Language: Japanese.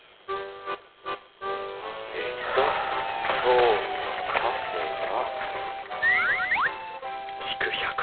えっと今日のカフェが。